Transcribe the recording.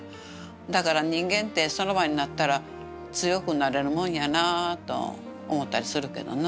だから人間ってその場になったら強くなれるもんやなと思ったりするけどな。